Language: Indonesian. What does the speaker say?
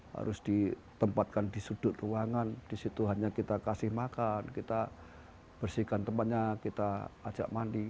harus ditempatkan di sudut ruangan di situ hanya kita kasih makan kita bersihkan tempatnya kita ajak mandi